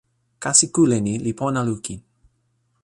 kasi kule ni li pona lukin.